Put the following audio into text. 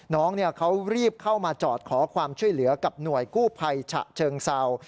น้องเขารีบเข้ามาจอดขอความช่วยเหลือกับหน่วยกู้ภัยฉะเชิงเศร้า